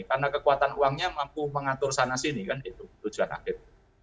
karena kekuatan uangnya mampu mengatur sana sini kan itu tujuan akhir